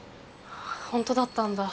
本当だったんだ。